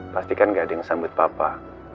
pastikan gak ada yang sambut papa